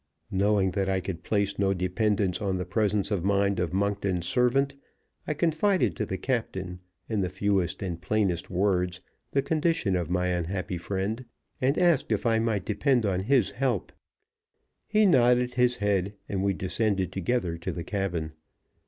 Knowing that I could place no dependence on the presence of mind of Monkton's servant, I confided to the captain, in the fewest and plainest words, the condition of my unhappy friend, and asked if I might depend on his help. He nodded his head, and we descended together to the cabin.